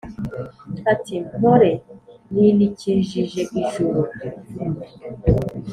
ati : mpore ninikijije ijuru.